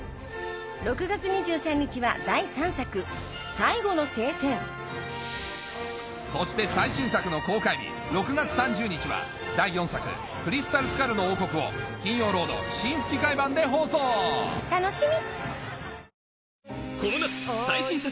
６月２３日は第３作『最後の聖戦』そして最新作の公開日６月３０日は第４作『クリスタル・スカルの王国』を『金曜ロード』新吹き替え版で放送楽しみ！